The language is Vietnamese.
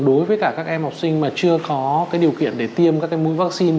đối với cả các em học sinh mà chưa có điều kiện để tiêm các cái mũi vaccine